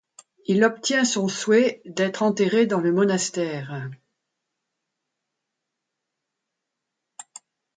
Il obtient son souhait d'être enterré dans le monastère.